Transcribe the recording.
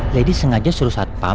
lady sengaja suruh saat pam